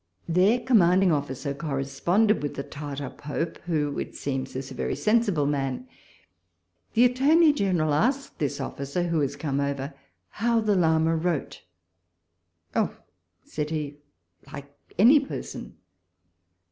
Their commanding officer corresponded with the Tartar Pope, who, it seems, is a very sensible man. The Attorney General asked this officer, who is come over, how the Lama wrote. "Oh," said he, "like any person."